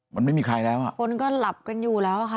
มันไม่มีใครแล้วอ่ะคนก็หลับกันอยู่แล้วอะค่ะ